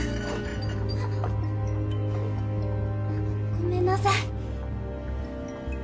ごめんなさい。